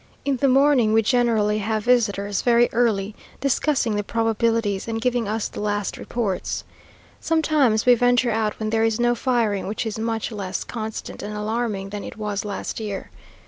In the morning we generally have visitors very early, discussing the probabilities, and giving us the last reports. Sometimes we venture out when there is no firing, which is much less constant and alarming than it was last year.